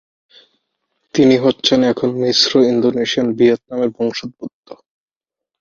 তিনি হচ্ছেন এখন মিশ্র ইন্দোনেশিয়ান-ভিয়েতনামের বংশোদ্ভূত।